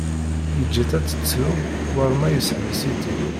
Yeǧǧa-tt ad tettru war ma yesseḥbes-itt-id.